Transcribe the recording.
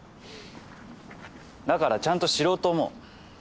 だからちゃんと知ろうと思う。